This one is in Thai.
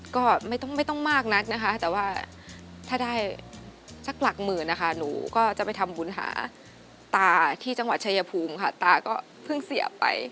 ก็ไม่ต้องมากนะแต่ว่าถ้าได้ชิบซา่มก็จะทำให้เต้นบื้นหาตาอ่ะทีเจ้าขวาเชยภูมิของคนเนี่ย